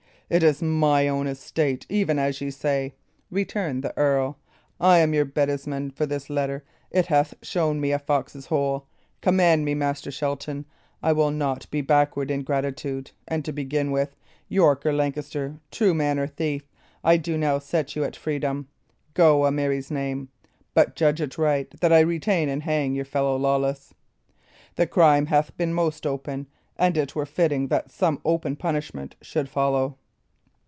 "It is my own estate, even as ye say!" returned the earl. "I am your bedesman for this letter. It hath shown me a fox's hole. Command me, Master Shelton; I will not be backward in gratitude, and to begin with, York or Lancaster, true man or thief, I do now set you at freedom. Go, a Mary's name! But judge it right that I retain and hang your fellow, Lawless. The crime hath been most open, and it were fitting that some open punishment should follow."